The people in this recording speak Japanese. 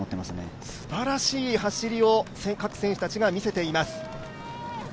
すばらしい選手を各選手たちが見せています。